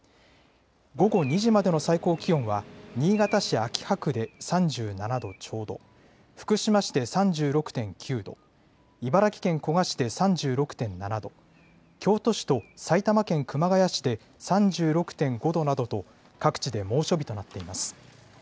午後２時までの最高気温は新潟市秋葉区で３７度ちょうど、福島市で３６．９度、茨城県古河市で３６．７度、京都市と埼玉県熊谷市で３６．５度などと各地で猛暑日となっています。